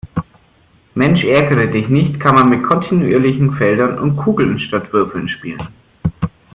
Mensch-ärgere-dich-nicht kann man mit kontinuierlichen Feldern und Kugeln statt Würfeln spielen.